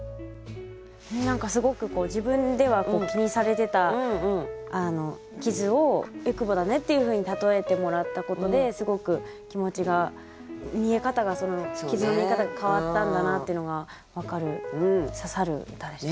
何かすごく自分では気にされてた傷を「えくぼだね」っていうふうにたとえてもらったことですごく気持ちが傷の見え方が変わったんだなっていうのが分かる刺さる歌でした。